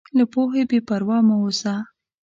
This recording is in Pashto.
له پوهې بېپروا مه اوسه.